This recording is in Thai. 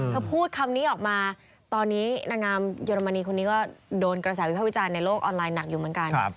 พูดคำนี้ออกมาตอนนี้นางงามเยอรมนีคนนี้ก็โดนกระแสวิภาพวิจารณ์ในโลกออนไลน์หนักอยู่เหมือนกัน